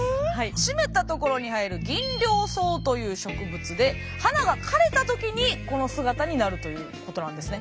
湿った所に生えるギンリョウソウという植物で花が枯れた時にこの姿になるということなんですね。